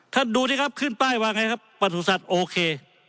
ท่านดูนี่ครับขึ้นป้ายว่าไงครับปฐุษัตริย์โอเค